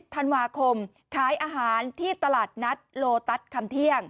ธันวาคมขายอาหารที่ตลาดนัดโลตัสคำเที่ยง